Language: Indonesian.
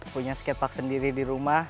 punya skatepark sendiri di rumah